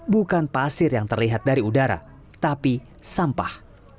bukan pasir yang terlihat dari udara tapi sampah